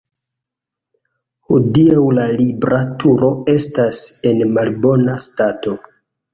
Hodiaŭ la Libra Turo estas en malbona stato.